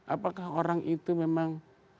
apakah orang itu memang